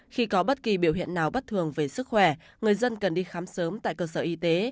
khi có bất kỳ biểu hiện nào bất thường về sức khỏe người dân cần đi khám sớm tại cơ sở y tế